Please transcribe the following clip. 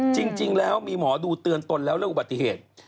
จริงแล้วมีหมอดูเตือนตนแล้วเรื่องอุบัติเหตุ